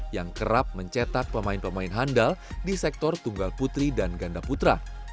yang kerap mencetak pemain pemain handal di sektor tunggal putri dan ganda putra